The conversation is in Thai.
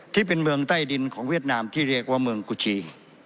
ที่เป็นเมืองใต้ดินของเวียดนามที่เรียกว่าเมืองกุชี